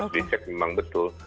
di cek memang betul